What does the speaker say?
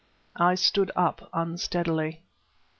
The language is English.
I stood up unsteadily.